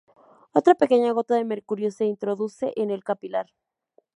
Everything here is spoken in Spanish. Otra pequeña gota de mercurio se introduce en el capilar.